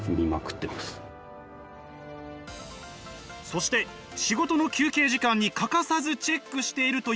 そして仕事の休憩時間に欠かさずチェックしているというのが。